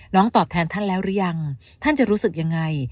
ตอบแทนท่านแล้วหรือยังท่านจะรู้สึกยังไง